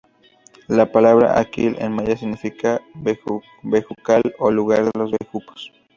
La palabra Akil en maya significa Bejucal o Lugar de los Bejucos.